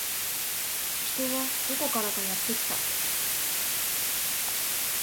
人はどこからかやってきた